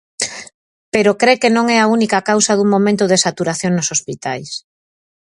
Pero cre que non é a única causa nun momento de saturación nos hospitais.